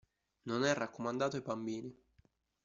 Non è raccomandato ai bambini.